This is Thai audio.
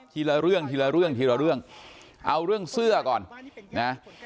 ทีละเรื่องเอาเรื่องเสื้อก่อน